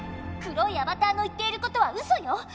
黒いアバターの言っていることはうそよ。